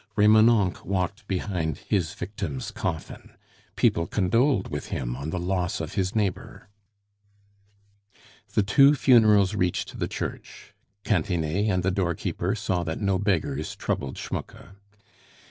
Remonencq walked behind his victim's coffin. People condoled with him on the loss of his neighbor. The two funerals reached the church. Cantinet and the doorkeeper saw that no beggars troubled Schmucke.